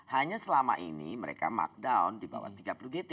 hanya selama ini mereka markdown di bawah tiga puluh gt